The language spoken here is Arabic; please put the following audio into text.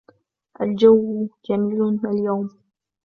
الجو جميل اليوم